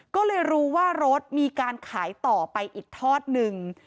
ก็เลยรู้ว่ารถมีการขายต่อไปอีกทอดหนึ่ง